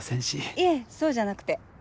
いえそうじゃなくて。